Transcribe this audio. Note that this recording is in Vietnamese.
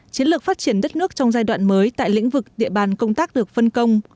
chiến lược phát triển đất nước trong giai đoạn mới tại lĩnh vực địa bàn công tác được phân công